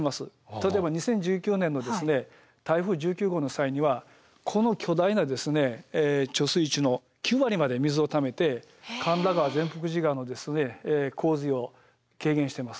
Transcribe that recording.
例えば２０１９年の台風１９号の際にはこの巨大な貯水池の９割まで水をためて神田川善福寺川の洪水を軽減してます。